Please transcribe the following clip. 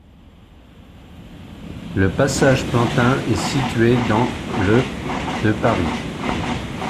Le passage Plantin est situé dans le de Paris.